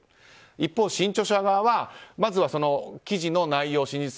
一方、新潮社側はまずは記事の内容の真実性